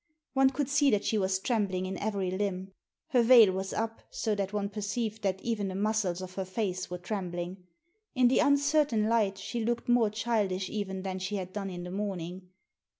One could see that she was trembling in every limb. Her veil was up, so that one perceived that even the muscles of her face were trembling. In the uncertain light she looked more childish even than she had done in the morning.